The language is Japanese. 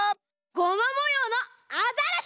ゴマもようのアザラシ！